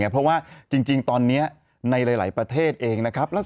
เพราะว่าจริงตอนนี้ในหลายประเทศเองนะครับ